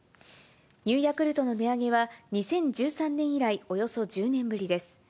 Ｎｅｗヤクルトの値上げは、２０１３年以来およそ１０年ぶりです。